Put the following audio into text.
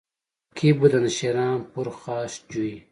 که بودند شیران پرخاشجوی